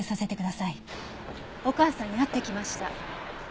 お母さんに会ってきました。